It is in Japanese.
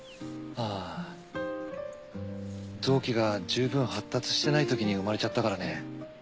あぁ臓器が十分発達してないときに生まれちゃったからね。